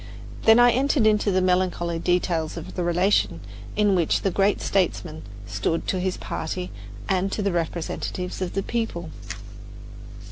Then I entered into the melancholy details of the relation in which the great statesman stood to his party and to the representatives of the people.